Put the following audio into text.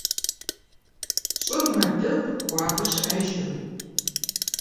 ЩӀыр мэдыкъ, хуабэ щыӀэжкъым.